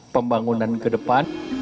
pembangunan ke depan